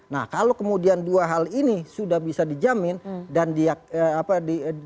nah kalau kemudian dua hal ini sudah bisa dijamin dan di apa di tentunya dengan komitmen